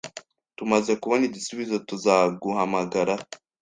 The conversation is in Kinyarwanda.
Tumaze kubona igisubizo, tuzaguhamagara.